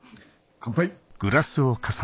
乾杯。